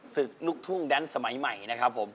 ศึกลูกทุ่งแดนสมัยใหม่นะครับผม